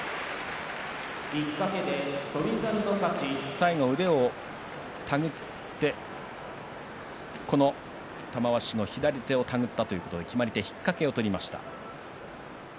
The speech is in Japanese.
最後、腕を手繰って玉鷲の左手を手繰ったということで決まり手引っ掛けを取りました。